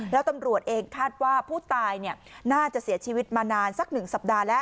แล้วตำรวจเองคาดว่าผู้ตายน่าจะเสียชีวิตมานานสัก๑สัปดาห์แล้ว